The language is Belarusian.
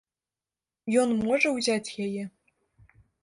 Ён можа ўзяць яе.